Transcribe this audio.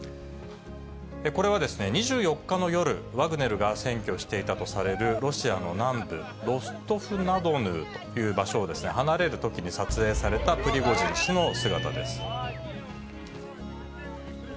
これは２４日の夜、ワグネルが占拠していたとされるロシアの南部ロストフナドヌーという場所を離れるときに撮影されたプリゴジン氏の姿です。